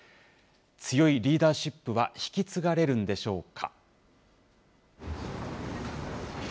強いリーダーシップは引き継がれるんでしょうか。